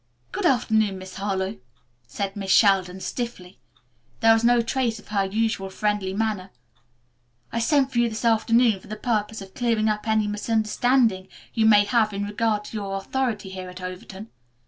"Good afternoon, Miss Harlowe," said Miss Sheldon stiffly. There was no trace of her usual friendly manner. "I sent for you this afternoon for the purpose of clearing up any misunderstanding you may have in regard to your authority here at Overton.